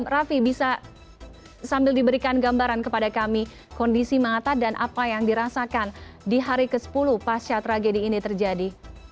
raffi bisa sambil diberikan gambaran kepada kami kondisi mata dan apa yang dirasakan di hari ke sepuluh pasca tragedi ini terjadi